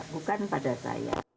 bukan pada saya